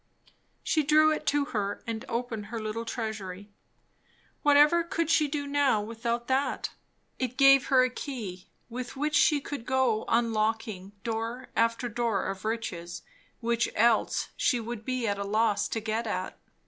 She drew it to her and opened her little "Treasury." What ever could she do now without that? It gave her a key, with which she could go unlocking door after door of riches, which else she would be at a loss to get at.